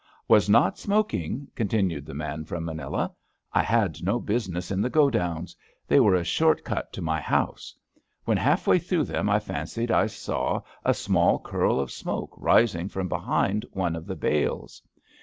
*^ Was not smoking," continued the man from Manila. *^ I had no business in the godowns. They were a short cut to my house. When half way through them I fancied I saw a little curl A SMOKE OF MANILA ST of smoke rising from behind one of the bales.